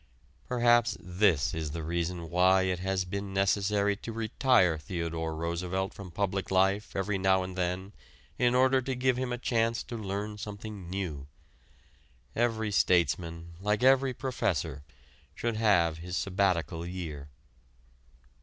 Perhaps this is the reason why it has been necessary to retire Theodore Roosevelt from public life every now and then in order to give him a chance to learn something new. Every statesman like every professor should have his sabbatical year.